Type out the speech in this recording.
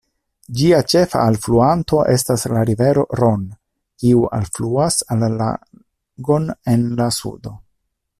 Ĝia ĉefa alfluanto estas la rivero "Ron", kiu alfluas la lagon en la sudo.